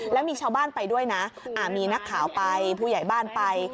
แล้วมีชาวบ้านไปด้วยนะมีนักข่าวไปผู้ใหญ่บ้านไป